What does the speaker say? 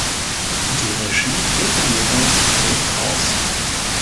Die Regie führte jeweils Fred Kraus.